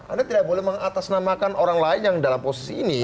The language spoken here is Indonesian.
anda tidak boleh mengatasnamakan orang lain yang dalam posisi ini